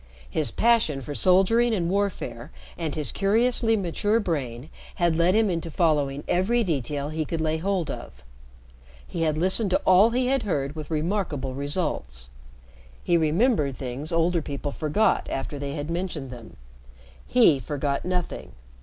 His passion for soldiering and warfare and his curiously mature brain had led him into following every detail he could lay hold of. He had listened to all he had heard with remarkable results. He remembered things older people forgot after they had mentioned them. He forgot nothing.